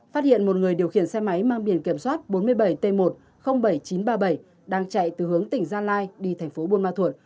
phát hiện một người điều khiển xe máy mang biển kiểm soát bốn mươi bảy t một bảy nghìn chín trăm ba mươi bảy đang chạy từ hướng tỉnh gia lai đi thành phố buôn ma thuột